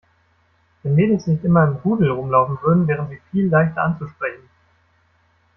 Wenn Mädels nicht immer im Rudel rumlaufen würden, wären sie viel leichter anzusprechen.